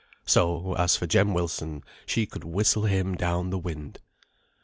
So, as for Jem Wilson, she could whistle him down the wind.